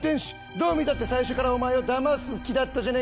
どう見たって最初からお前をだます気だったじゃねえか。